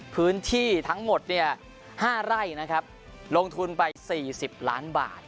พื้นที่ทั้งหมดเนี่ยห้าไร่นะครับลงทุนไปสี่สิบล้านบาท